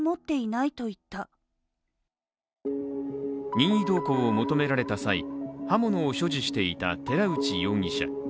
任意同行を求められた際、刃物を所持していた寺内容疑者。